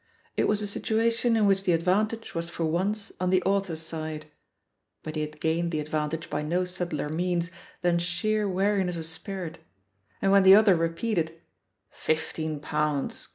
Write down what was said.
It was a situation in which the advantage was for once on the author's side. But he had gained the ad vantage by no subtler means than sheer weari* ness of spirit, and when the other repeated, "Fifteen pounds.